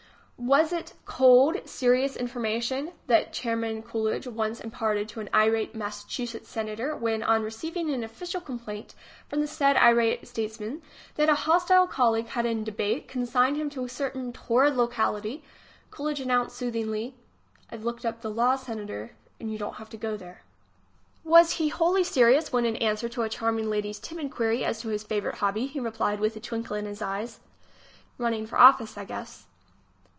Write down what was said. Was it cold, serious information that Chairman Coolidge once imparted to an irate Massachusetts senator when, on receiving an official complaint from the said irate statesman that a hostile col league had in debate consigned him to a certain torrid locality, Coolidge announced soothingly: "I've looked up the law, Senator, and you don't have to go there"? Was he wholly serious when, in answer to a charming lady's timid query as to his favorite hobby, he replied, with a twinkle in his eyes: "Running for office, I guess."